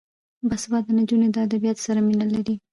باسواده نجونې د ادبیاتو سره مینه لري.